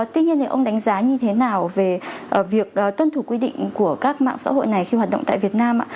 tuy nhiên ông đánh giá như thế nào về việc tuân thủ quy định của các mạng xã hội này khi hoạt động tại việt nam ạ